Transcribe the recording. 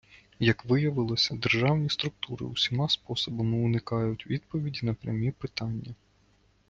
Як виявилося, державні структури усіма способами уникають відповіді на прямі питання.